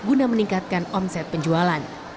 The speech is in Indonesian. guna meningkatkan omset penjualan